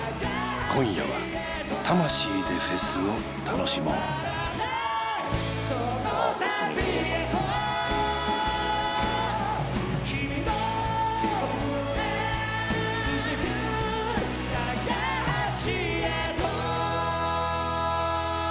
今夜は魂でフェスを楽しもうその旅へと君の心へ続く架橋へと．．．